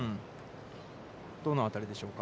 どのあたりでしょうか。